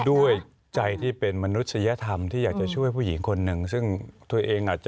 ด้วยใจที่เป็นมนุษยธรรมที่อยากจะช่วยผู้หญิงคนนึง